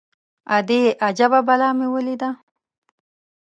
_ادې! اجبه بلا مې وليده.